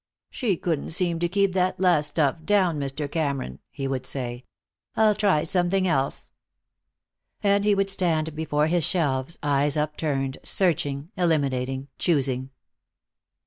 "She couldn't seem to keep that last stuff down, Mr. Cameron," he would say. "I'll try something else." And he would stand before his shelves, eyes upturned, searching, eliminating, choosing.